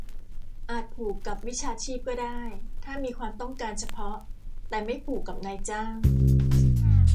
อาจผูกกับวิชาชีพก็ได้ ถ้ามีความต้องการเฉพาะ แต่ไม่ผูกกับนายจ้าง